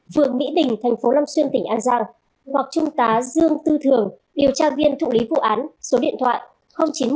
vườn mỹ bình thành phố long xuyên tỉnh an giang hoặc trung tá dương tư thường điều tra viên thụ lý vụ án số điện thoại chín trăm một mươi chín sáu mươi năm trăm năm mươi bảy